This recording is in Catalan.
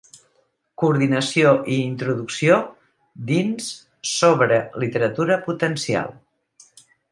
Coordinació i introducció dins «Sobre Literatura Potencial.